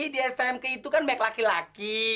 di stmk itu kan banyak laki laki